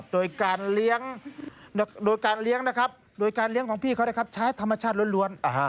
โดยการเลี้ยงนะครับโดยการเลี้ยงของพี่เขาใช้ธรรมชาติล้วน